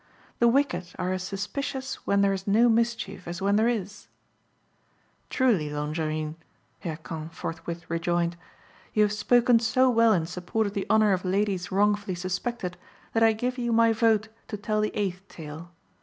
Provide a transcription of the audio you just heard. The wicked are as suspicious when there is no mischief as when there is." "Truly, Longarine," Hircan forthwith rejoined, "you have spoken so well in support of the honour of ladies wrongfully suspected, that I give you my vote to tell the eighth tale.